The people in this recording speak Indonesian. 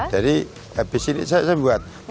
habis ini saya buat